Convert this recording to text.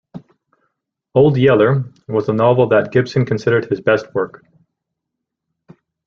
"Old Yeller" was the novel that Gipson considered his best work.